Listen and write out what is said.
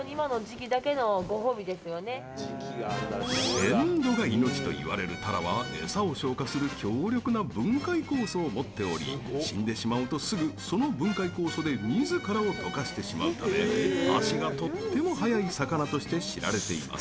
鮮度が命といわれるタラは餌を消化する強力な分解酵素を持っており死んでしまうでしまうとすぐ、その分解酵素で自らを溶かしてしまうため足がとっても早い魚として知られています。